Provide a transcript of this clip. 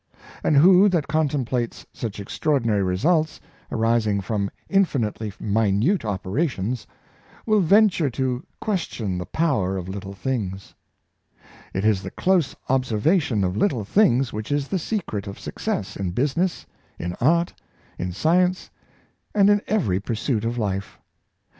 And who that contemplates such extraordinary results, arising from infinitely minute operations, will venture to question the power of little things } It is the close observation of little things which is the secret of success in business, in art, in science, and in every pursuit of life.